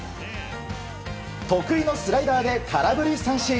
得意のスライダーで空振り三振。